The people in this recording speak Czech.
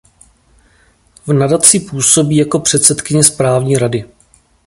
V nadaci působí jako předsedkyně správní rady.